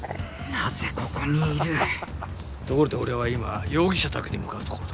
なぜここにいるところで俺は今容疑者宅に向かうところだ。